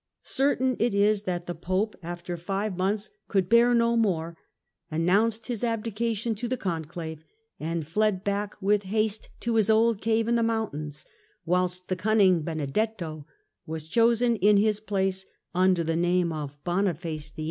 Certain it is that the Pope after five months 38 THE END OF THE MIDDLE AGE could bear no more, announced his abdication to the Conclave, and fled back with haste to his old cave in the mountains ; whilst the cunning Benedetto was chosen in his place under the name of Boniface VIII.